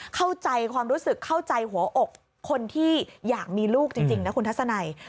เข้าใจความรู้สึกเข้าใจหัวอกคนที่อยากมีลูกจริงนะคุณทัศนัย